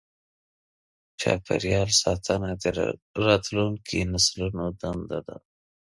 چاپېریال ساتنه د راتلونکو نسلونو دنده ده.